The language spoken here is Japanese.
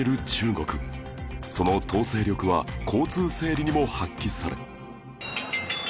その統制力は交通整理にも発揮され